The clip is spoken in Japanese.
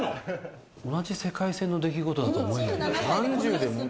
同じ世界線の出来事だとは思えない。